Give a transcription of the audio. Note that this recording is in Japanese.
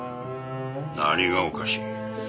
何がおかしい？